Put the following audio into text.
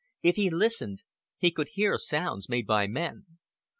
If he listened, he could hear sounds made by men.